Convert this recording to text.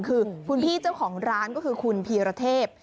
คือคุณพี่เจ้าของร้านก็คือคุณพีรเทพ